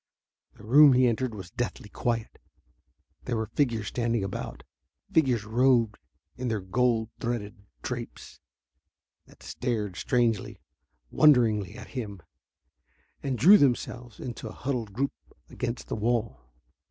The room he entered was deathly quiet. There were figures standing about, figures robed in their gold threaded drapes, that stared strangely, wonderingly, at him, and drew themselves into a huddled group against the wall.